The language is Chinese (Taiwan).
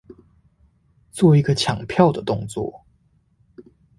做一個搶票的動作